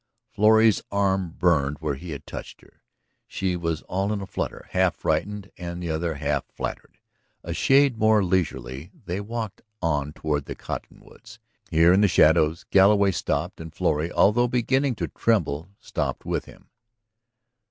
Florrie's arm burned where he had touched her. She was all in a flutter, half frightened and the other half flattered. A shade more leisurely they walked on toward the cottonwoods. Here, in the shadows, Galloway stopped and Florrie, although beginning to tremble, stopped with him.